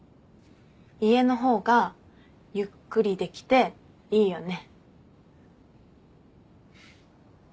家の方がゆっくりできていいよね。